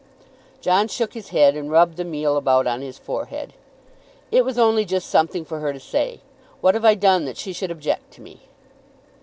John shook his head and rubbed the meal about on his forehead. "It was only just something for her to say. What have I done that she should object to me?"